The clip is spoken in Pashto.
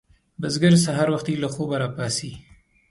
بزګر سهار وختي له خوبه راپاڅي